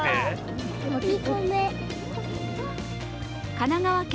神奈川県